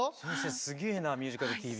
すげえな「ミュージカルＴＶ」。